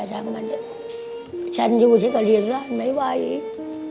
ฉันอยู่ที่กระเรียงร่านไม่ไหวอีก